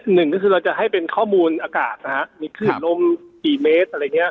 หนึ่งก็คือเราจะให้เป็นข้อมูลอากาศนะฮะมีคลื่นลมกี่เมตรอะไรอย่างเงี้ย